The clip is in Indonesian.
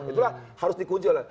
itulah harus di kunci oleh